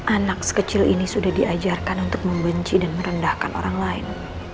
anak sekecil ini sudah diajarkan untuk membenci dan merendahkan orang lain